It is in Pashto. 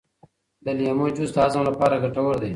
د لیمو جوس د هضم لپاره ګټور دی.